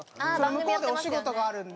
向こうでお仕事があるんで。